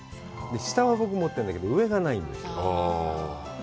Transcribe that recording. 下は売ってるんだけど、上がないんです。